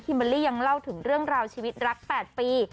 เบอร์ลี่ยังเล่าถึงเรื่องราวชีวิตรัก๘ปี